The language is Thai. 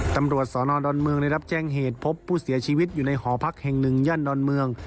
ตำรวจสนดอนเมืองได้รับแจ้งเหตุพบผู้เสียชีวิตอยู่ในหอพักแห่งหนึ่งย่านดอนเมือง